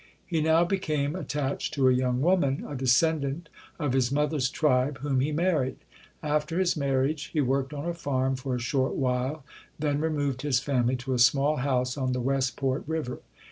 He now became attached to a young woman a descendant of his mother's tribe whom he mar ried. After his marriage he worked on a farm for a short while, then removed his family to a small house on the Westport River.